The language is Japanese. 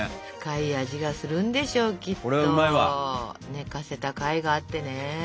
寝かせたかいがあってね。